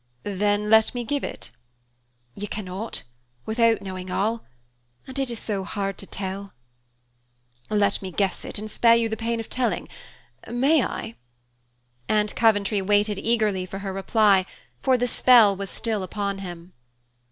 "Then let me give it?" "You cannot, without knowing all, and it is so hard to tell!" "Let me guess it, and spare you the pain of telling. May I?" And Coventry waited eagerly for her reply, for the spell was still upon him.